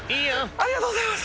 ありがとうございます！